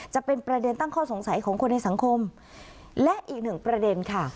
จะเป็นประเด็นตั้งข้อสงสัยของคนในสังคมและอีกหนึ่งประเด็นค่ะ